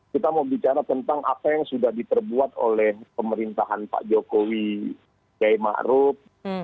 kita mau bicara tentang apa yang sudah diterbuat oleh pemerintahan pak jokowi jai ma'ruf